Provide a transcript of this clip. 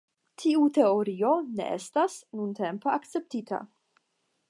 Tiu teorio ne estas nuntempe akceptita.